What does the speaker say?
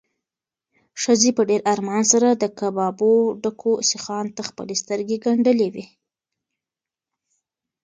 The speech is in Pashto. ښځې په ډېر ارمان سره د کبابو ډکو سیخانو ته خپلې سترګې ګنډلې وې.